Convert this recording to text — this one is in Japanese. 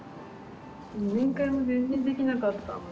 面会も全然できなかったので。